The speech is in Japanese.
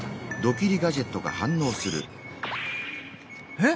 えっ？